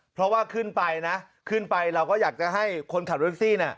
เพราะว่าขึ้นไปเราก็อยากจะให้คนขับรถทักซี